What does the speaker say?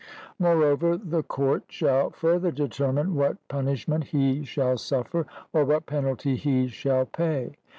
Moreover, the court shall further determine what punishment he shall suffer, or what penalty he shall pay.